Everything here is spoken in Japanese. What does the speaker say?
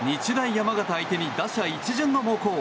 山形相手に打者一巡の猛攻。